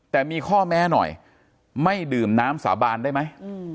แต่มีข้อแม้หน่อยไม่ดื่มน้ำสาบานได้ไหม